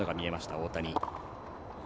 大谷。